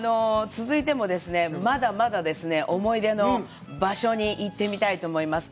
続いてもですね、まだまだですね、思い出の場所に行ってみたいと思います。